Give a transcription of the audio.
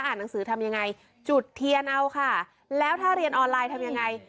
หนังสือทำยังไงจุดเทียนเอาค่ะแล้วถ้าเรียนออนไลน์ทำยังไง